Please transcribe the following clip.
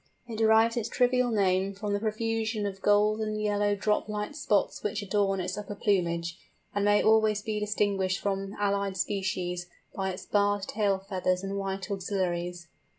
It derives its trivial name from the profusion of golden yellow drop like spots which adorn its upper plumage, and may always be distinguished from allied species by its barred tail feathers and white axillaries.